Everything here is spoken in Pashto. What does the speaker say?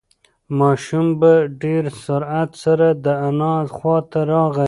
ماشوم په ډېر سرعت سره د انا خواته راغی.